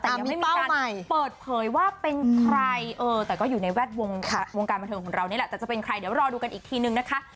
แต่ยังไม่มีการเปิดเผยว่าเป็นใครแต่ก็อยู่ในแวดวงการบันเทิงของเรานี่แหละแต่จะเป็นใครเดี๋ยวรอดูกันอีกทีนึงนะคะ